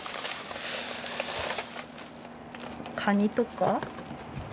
カニとか。